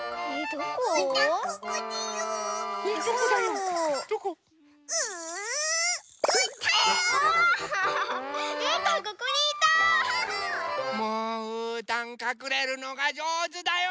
もううーたんかくれるのがじょうずだよね！